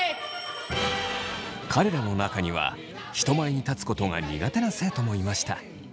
彼らの中には人前に立つことが苦手な生徒もいました。